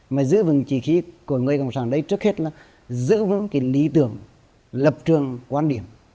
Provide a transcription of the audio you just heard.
mà giữ vững chí khí của người cộng sản đây trước hết là giữ vững cái lý tưởng lập trường quan điểm